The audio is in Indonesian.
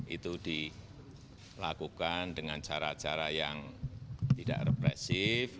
itu dilakukan dengan cara cara yang tidak represif